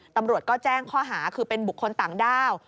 ตำรวจก็แจ้งข้อหาคือเป็นบุคคลต่างด้าว